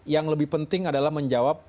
yang lebih penting adalah menjawab